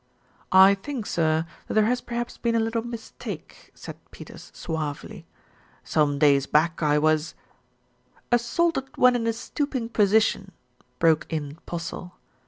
"I think, sir, that there has perhaps been a little mis take," said Peters suavely. "Some days back I was " "Assaulted when in a stooping position," broke in Postle.